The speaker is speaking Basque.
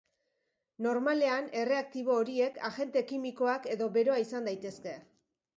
Normalean, erreaktibo horiek agente kimikoak edo beroa izan daitezke.